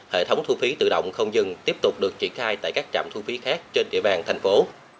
hệ thống thu phí tự động không dừng tiếp tục được triển khai tại các trạm thu phí khác trên địa bàn thành phố